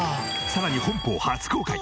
さらに本邦初公開！